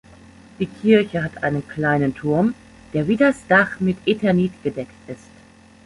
Die Kirche hat einen kleinen Turm, der wie das Dach mit Eternit gedeckt ist.